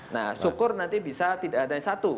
nah syukur nanti bisa tidak ada satu